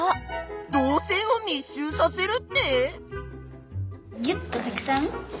「導線を密集させる」って？